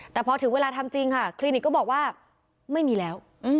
แต่พอถึงเวลาทำจริงค่ะคลินิกก็บอกว่าไม่มีแล้ว